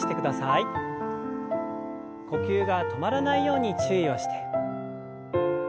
呼吸が止まらないように注意をして。